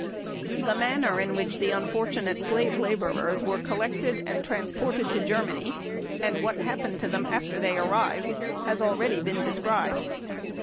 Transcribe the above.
The manner in which the unfortunate slave laborers were collected and transported to Germany, and what happened to them after they arrived, has already been described.